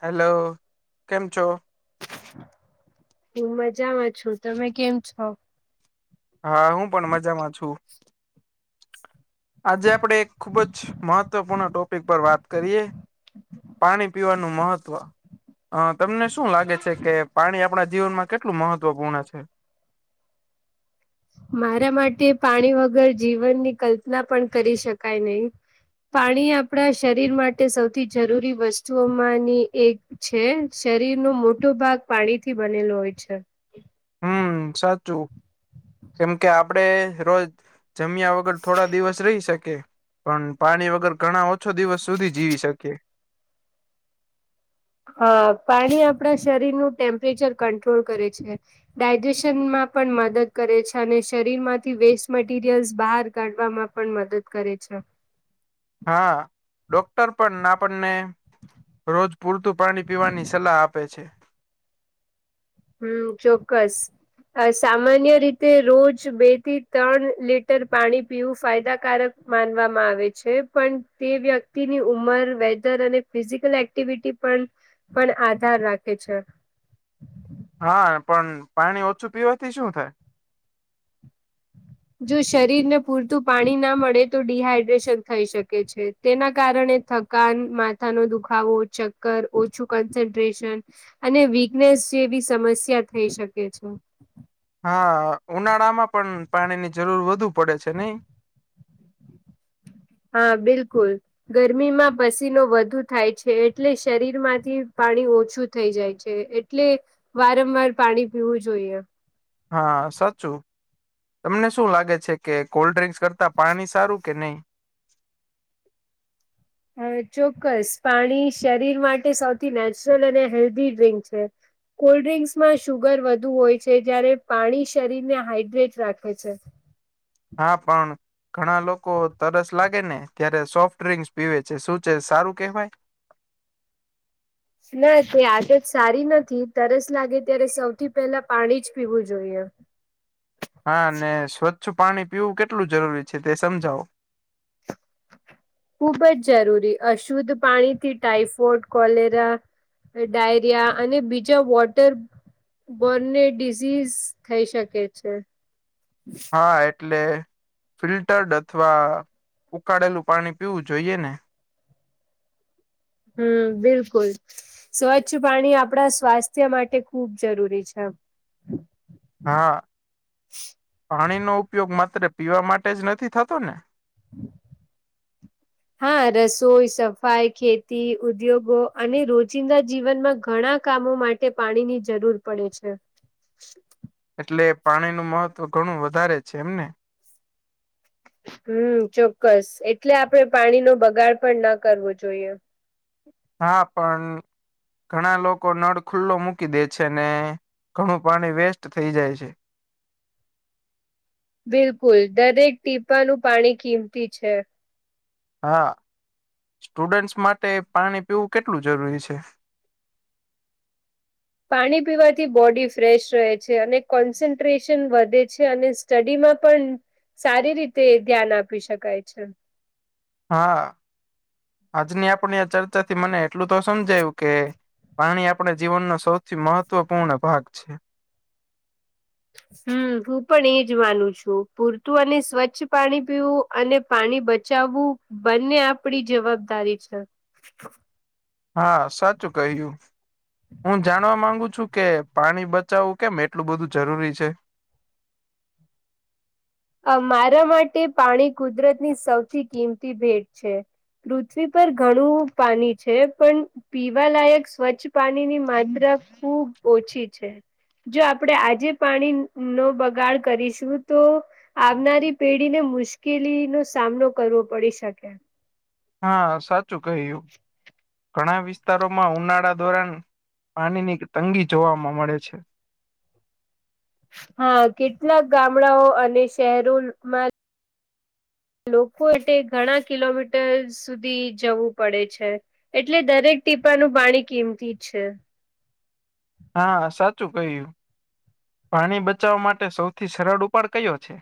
Hello, કેમ છો? હું મજાવા છું તમે કેમ છો? હા હું પણ મજામાં છું. આજે આપણે એક ખૂબ જ મહત્વપૂર્ણ ટોપિક પર વાત કરીએ પાણી પીવાનું મહત્વ અ તમને શું લાગે છે કે પાણી આપણા જીવનમાં કેટલું મહત્વપૂર્ણ છે? મારા માટે પાણી વગર જીવનની કલ્પના પણ કરી શકાય નહી. પાણી આપણા માટે સૌથી જરૂરી વસ્તુઓમાંની એક છે શરીરનો મોટો ભાગ પાણીથી બનેલો હોય છે. હમ સાચું કેમ કે આપડે રોજ જમ્યા વગર થોડા દિવસ રહી શકે પન પાણી વગર ઘણા છો દિવસ સુધી જીવી શકીએ. હ પાણી આપણા શરીરનું ટેમ્પરેચર કંટ્રોલ કરે છે. ડાયજેશનમાં પણ મદદ કરે છે અને શરીરમાંથી વેસ્ટ મટીરિયલ્સ બહાર કાઢવામાં પણ મદદ કરે છે. હા ડોક્ટર પણ આપને રોજ પૂરતું પાની પીવાની સલાહ આપે છે. હં ચોક્કસ. અ સામાન્ય રીતે રોજ બે થી તન લીટર પાણી પીવું ફાયદાકારક માનવામાં આવે છે પણ તે વ્યક્તિની ઉંમર વેધર અને ફિઝિકલ એક્ટિવિટી પન પણ આધાર રાખે છે. હા પણ પાણી ઓછું પીવાથી શું થાય? જો શરીર ને પૂરતું પાણી ના મળે તો ડિહાઈડ્રેશન થઈ શકે છે. તેના કારણે થકાન માથાનો દુખાવો ચક્કર ઓછું કન્સન્ટ્રેશન અને વિક્નેસ જેવી સમસ્યા થઈ શકે છે. હા ઉનાળામાં પણ પાણીની જરૂર વધુ પડે છે નઈ. હા બિલકુલ. ગરમીમાં પસીનો વધુ થાય છે. એટલે શરીરમાંથી પાણી ઓછું થઈ જાય છે એટલે વારંવાર પાણી પીવું જોઈએ. હા સાચું. તમને શું લાગે છે કે કોલ્ડ ડ્રિંકસ કરતા પાણી સારું કે નહી. હ ચોક્કસ પાણી શરીર માટે સૌથી નેચરલ અને હેલ્ધી ડ્ર્રીંક છે. કોલ્ડ ડ્રિંક્સમાં સુુગર વધુ હોય છે. જયારે પાણી શરીરને હાઈડ્રેટ રાખે છે. હા પણ. ઘણા લોકો તરસ લાગે ને ત્યારે સોફ્ટ ડ્રિંકસ પીવે છે શું છે સારું કેહેવાય? ના તે આદત સારી નથી. તરસ લાગે ત્યારે સૌથી પહેલા પાણી જ પીવું જોઈએ. હા ને સ્વચ્છ પાણી પીવું કેટલું જરૂરી છે તે સમજાવો. ખુબ જ જરૂરી અશુદ્ધ પાણીથી ટાઈફોઇડ કોલેરા ડાયરિયા અને બીજા વોટર બોનને ડીસીઝ થઈ શકે છે. હા એટલે ફિલ્ટર્ડ અથવા ઉકાળેલું પાણી પીવું જોઈએ ને હમ બિલકુલ. સ્વચ્છ પાણી આપડા સ્વાસ્થ્ય માટે ખુબ જરૂરી છે. હા પાણીનો ઉપયોગ માત્ર પીવા માટે જ નથી થતો ને. [inaudible] હા રસોઈ સફાઈ ખેતી ઉદ્યોગો, અને રોજિંદા જીવનમાં ઘણા કામો માટે. તે પાણીની જરૂર પડે છે. એટલે પાણીનું મહત્વ ઘણું વધારે છે એમને? હમ, ચોક્કસ. એટલે આપણે પાણીનો બગાડ પણ ન કરવો જોઈએ. હા હા પણ ઘણા લોકો નળ ખુલ્લો મૂકી દે છે ને ઘણું પાણી વેસ્ટ થઈ જાય છે. બિલકુલ દરેક ટીપાનું પાણી કિંમતી છે. હા, સ્ટુડન્ટસ માટે પાણી પીવું કેટલું જરૂરી છે? પાણી પીવાથી બોડી ફ્રેશ રહે છે, અને કોન્સન્ટ્રેશન વધે છે અને સ્ટડીમાં પણ સારી રીતે ધ્યાન આપી શકાય છે. હા, આજની આપણે આ ચર્ચાથી મને એટલું તો સમજાયું કે પાણી આપણા જીવનનો સૌથી મહત્વપૂર્ણ ભાગ છે. હમ, હું પણ એજ માનું છુ. પૂરતું અને સ્વચ્છ પાણી પીવું અને પાણી બચાવવુ બંને આપણી જવાબદારી છે. [inaudible] હા, સાચું કહ્યું. હું જાણવા માંગુ છું કે, પાણી બચાવવું કેમ એટલું બધું જરૂરી છે? અ મારા માટે પાણી કુદરતની સૌથી કિંમતી ભેટ છે. પૃથ્વી પર ઘણું પાણી છે પણ પીવાલાયક સ્વચ્છ પાણની માત્રા ખુબ ઓછી છે. જો આપણેે આજે પાણીનો બગાડ કરીશું તો આવનારી પેઢીને મુશ્કેલીનો સામનો કરવો પડી શકે. હા, સાચું કહ્યું. ઘણા વિસ્તારોમાં ઉનાળા ધોરણ પાણીની તંગી જોવા મળે છે. હા કેટલાક ગામડાઓ અને શહેરોમાં લોકો એટ ઘણા કિલોમીટર સુધી જવું પડે છે. એટલે દરેક ટીપાનું પાણી કિંમતી જ છે. હા સાચું કહ્યું, પાણી બચાવા માટે સૌથી સરળ ઉપાડ કયો છે?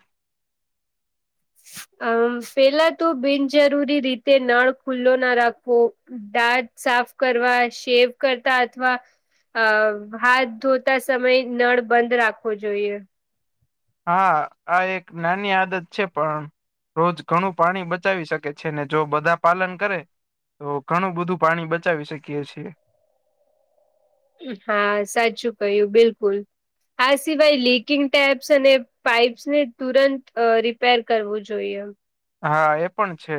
અ પેલાં તો બિનજરૂરી રીતે નળ ખુલ્લો ના રાખવો. દાંત સાફ કરવા, શેવ કરતા અથવા અ હાથ ધોતા સમયે નળ બંધ રાખવો જોઈએ. હા આ એક નાની આદત છે પણ રોજ ઘણું પાણી બચાવી શકે છે ને જો બધા પાલન કરે તો ઘણું બધું પાણી બચાવી શકીએ છીએ. હા સાચું કહ્યું બિલકુલ. આ સિવાય લીકિંગ ટેબ્સ અને પાઈપ્સને તુરંત અ રિપેર કરવું જોઈએ. હા એ પણ છે.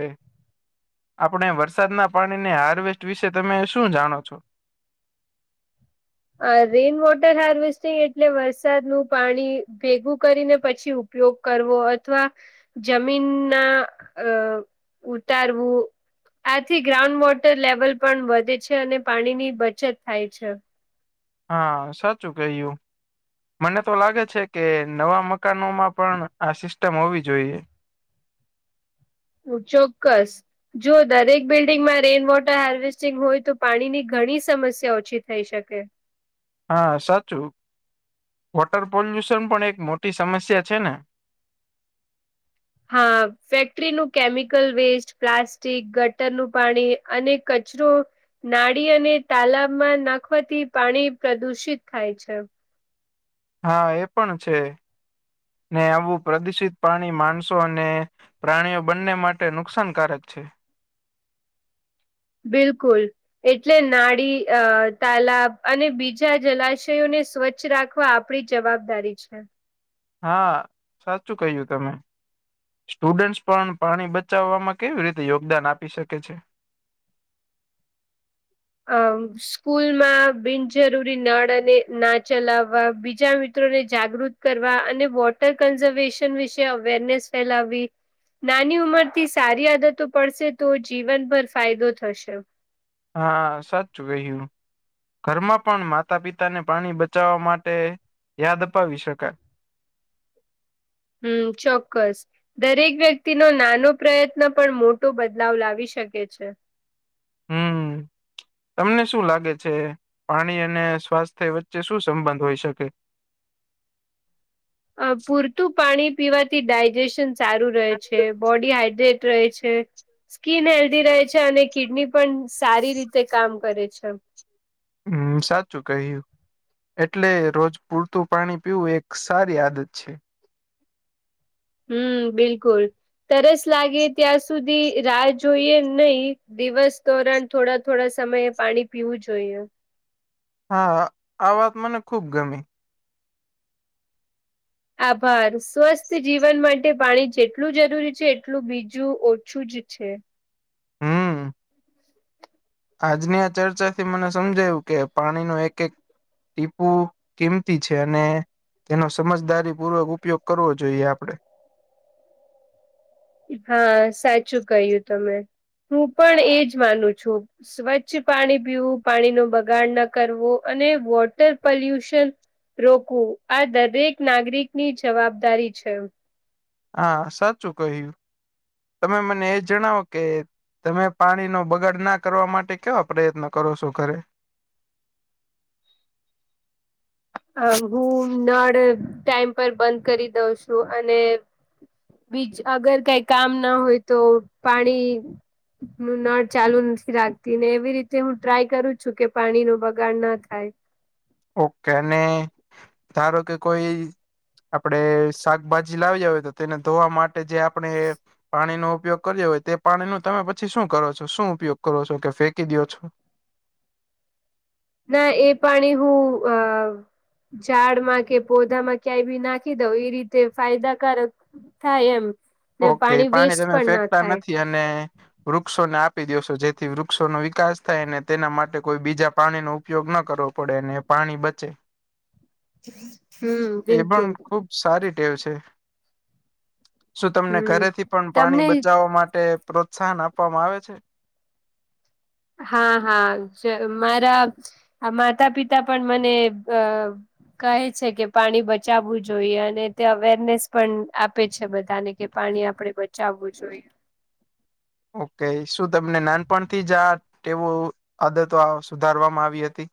આપણે વરસાદના પાણીને હાર્વેસ્ટ વિશે તમે શું જાણો છો? અ રેઇન વોટર હાર્વેસ્ટિંગ એટલે વરસાદનું પાણી ભેગું કરીને પછી ઉપ યોગ કરવો અથવા જમીનના અ ઉતારવું આથી ગ્રાઉન્ડ વોટર લેવલ પણ વધે છે અને પાણીની બચત થાય છે. હા, સાચું કર્યું. મને તો લાગે છે કે નવા મકાનોમાં પણ આ સિસ્ટમ હોવી જોઈએ. ચોક્કસ. જો દરેક બિલ્ડિંગમાં રેઇન વોટર હાર્વેસ્ટિંગ હોય તો પાણીની ઘણી ઓછી થઈ શકે. હા સાચું, વોટર પોલ્યુશન પણ એક મોટી સમસ્યા છે ને. હા, ફેક્ટરીનું કેમિકલ વેસ્ટ પ્લાસ્ટિક ગટરનું પાણી અને કચરો નાળી અને તાલાબમાં નાખવાતી પાણી પ્રદુષિત થાય છે. હા, એ પણ છે ને, આવું પ્રદુષિત પાણી માણસો અને પ્રાણીઓ બંને માટે નુકસાનકારક છે. બિલકુલ. એટલે નાળી અ તાલાબ અને બીજા જલાશયોને સ્વચ્છ રાખવા આપડી જવાબદારી છે. હા, સાચું કહ્યું તમે. સ્ટુડન્ટ પણ પાણી બચાવવામાં કેવી રીતે યોગદાન આપી શકે છે. હા. સ્કૂલ માં બિનજરૂરી નળ અને ના ચલાવવા બીજા મિત્રોને જાગૃત. કરવા, અને વોટર કન્ઝર્વેશન વિશે અવેરનેસ ફેલાવવી. નાની ઉંમર થી સારી આદતો પડશે તો, જીવનભર ફાયદો થશે. હા, સાચુ કહીયુ. ઘરમાં પણ માતા-પિતા ને પાણી બચાવવા માટે યાદ અપાવી શકાય. હમ, ચોક્કસ. દરેક વ્યક્તિ નો નાનો પ્રયત્ન પણ મોટો બદલાવ લાવી શકે છે. હમ. તમને શું લાગે છે, પાણી અને સ્વાસ્થ્ય વચ્ચે શું સંબંધ હોય શકે? અ પૂરતું પાણી પીવાથી ડાયજેશન. સારું રહે છે, બોડી હાડ્રેટ રહે છે, સ્કીિન હેલ્ધી રહે છે, અને કિડની પણ સારી રીતે કામ કરે છે. હમ, સાચું કહીયુ. એટલે રોજ પૂરતું પાણી પીવું એક સારી આદત છે‌. હમ, બિલકુલ તરસ લાગે, ત્યાં સુધી રાહ જોઈએ નહીં. દિવસ ધોરણ થોડા-થોડા સમયે પાણી પીવું જોઈએ. હા, આ વાત મને ખુબ ગમે. આભાર સ્વસ્થ જીવન માટે પાણી જેટલું જરૂરી છે, એટલું બીજું ઓછું જ છે. હમ આજની આ ચર્ચાથી મને સમજાયું કે, પાણી નુ એક-એક ટીપુ કિંમતી છે, અને તેનો સમઝદારી પૂર્વક ઉપયોગ કરવો જોઈએ આપડે. હા, સાચું કહ્યું તમે. હું પણ એજ માનું છું. સ્વચ્છ પાણી પીવું, પાણીનું બગાડ ન કરવો, અને વોટર પલ્યુશન રોકવું, આ દરેક નાગરિકની જવાબદારી છે. આ સાચું કહ્યું તમે, મને એ જણાવો કે તમે પાણી નો બગાડ ના કરવા માટે કેવા પ્રયત્ન કરો સો ઘરે? આમ હું નળ ટાઈમ પર બંધ કરી દઉ સુ અને બીજ અગર કઈ કામ ના હોય તો પાણી નું નળ ચાલુ રાખતી ને, એવી રીતે હું ટ્રાય કરું છું કે, પાણી નો બગાડ ન થાય. ઓકે, નેઈ ધારો કે કોઈ આપણેે શાકભાજી લાવીય હોય તો, તેને ધોવા માટે જે આપણે પાણીનો ઉપયોગ કર્યો હોય તે, પાણીનો તમે પછી શું કરો છો? શું ઉપયોગ કરો સો કે ફેંકી દીયો છો? ના એ પાણી હું અ ચાડમાં કે, પોદામાં ક્યાંય બી નાખી દઉ ઈ રીતે ફાયદાકારક થાય એમ. ને ઓકે પાણી વેસ્ટ તમે પણ ના ફેંકતા થાય નથી અને વૃક્ષોને આપી દિયો સો જેથી વૃક્ષોનો વિકાસ થાય અને તેના માટે કોઈ બીજા પાણીનો ઉપયોગ ન કરવો પડે ને પાણી બચે. [unintelligible] એ પણ બિલકુલ ખુબ સારી ટેવ છે. શું તમને હમ ઘરેથી પણ પાણી તમને બચાવા માટે પ્રોત્સાહન આપવામાં આવે છે? હા હા જરૂ મારા અ-માતા પિતા પણ મને બ-અ કહે છે કે પાણી બચાવું જોઈએ અને તે અવેરનેસ પણ આપે છે બધાને કે પાણી આપડે બચાવવું જોઈએ. ઓકે શું તમને નાનપણથી જ આ ટેવો આદતો અ-સુધારવામાં આવી હતી?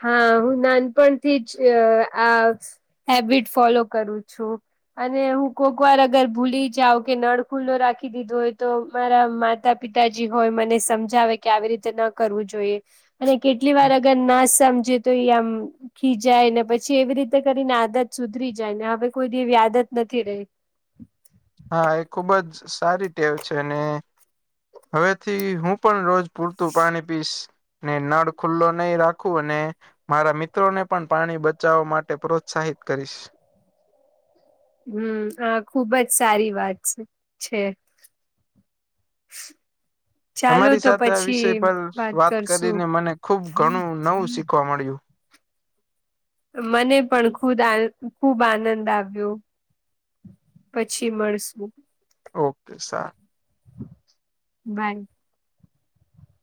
હા હું નાનપણથી જ અ-આ સ્-હેબિટ ફોલો કરું છું. અને હું કોકવાર અગર ભૂલી જાવ કે નળ ખુલ્લો રાખી દીધો હોય તો મારા માતા પિતાજી હોય મને સમજાવે કે, આવી રીતે ન કરવું જોઈએ અને કેટલી હમ. વાર અગર ના સ મજે તો એ આમ ખીજાય ને પછી એવી રીતે કરીને આદત સુધરી જાય ને હવે કોઈ દી એવી આદત નથી રેય. હા એ ખુબ જ સારી ટેવ છે ને હવેથી હું પણ રોજ પૂરતું પાણી પીસ ને નળ ખુલ્લો નઈ રાખું અને મારા મિત્રો ને પણ પાની બચાવા માટે પ્રોત્સાહિત કરીશ. હમ. આ ખૂબ જ સારી વાત છે. [inaudible] ચાલો તમારી તો સાથે આ વિષય પછી પર વાત કરીને કરશું મને ખુબ ઘણું નવું શીખવા મળ્યું. મને પણ ખુદ આન-ખુબ આનંદ આવ્યો. પછી મળશું. ઓકે સારૂ. બાય.